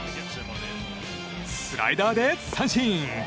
スライダーで三振！